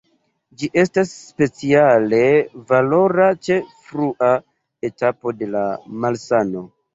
Ĝi estas speciale valora ĉe frua etapo de la malsano.